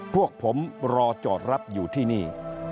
พวกผมรอจอดรับอยู่ที่นี่